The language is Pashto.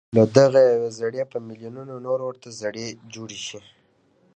له دغه يوه زړي په ميليونونو نور ورته زړي جوړ شي.